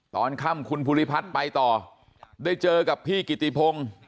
ตอนค่ำคุณภูริพัฒน์ไปต่อได้เจอกับพี่กิติพงศ์